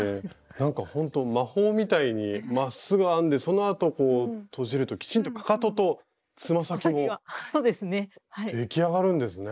なんかほんと魔法みたいにまっすぐ編んでそのあとこうとじるときちんとかかととつま先も出来上がるんですね。